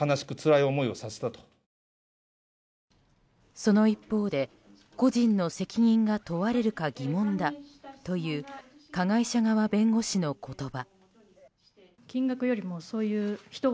その一方で、個人の責任が問われるか疑問だという加害者側弁護士の言葉。